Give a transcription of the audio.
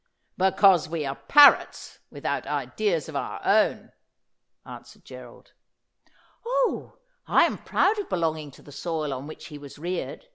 Because we are parrots, without ideas of our own,' answered Gerald. ' Oh, I am proud of belonging to the soil on which he was reared.